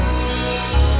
terima kasih sudah nonton